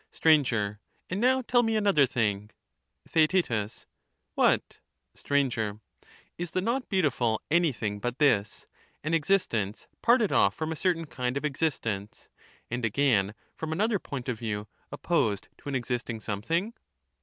Str. And now tell me another thing. Theaet. What? Str. Is the not beautiful an3rthing but this— an existence parted off from a certain kind of existence, and again from another point of view opposed to an existing something